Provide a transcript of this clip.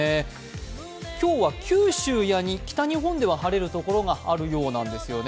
今日は九州や北日本では晴れるところがあるようなんですよね。